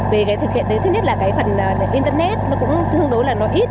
về cái thực hiện thứ nhất là cái phần internet nó cũng thương đối là nó ít